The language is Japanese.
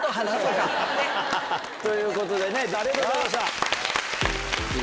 ということでねありがとうございました。